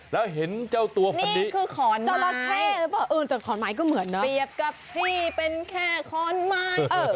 แล้วเห็นเจ้าตัวพันธุ์นี้จัดขอนไม้ก็เหมือนนะเปรียบกับที่เป็นแค่ขอนไม้